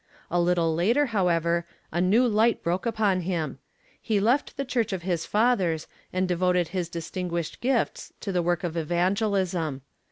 A little later, however, a new light broke upon him. He left the church of his fathers and devoted his distinguished gifts to the work of evangelism.